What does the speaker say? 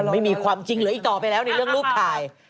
ไม่มีความจริงเหลืออีกต่อไปแล้วในเรื่องรูปถ่าย